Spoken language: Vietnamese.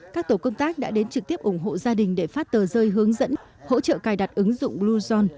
các tổ công tác đã đến trực tiếp ủng hộ gia đình để phát tờ rơi hướng dẫn hỗ trợ cài đặt ứng dụng bluezone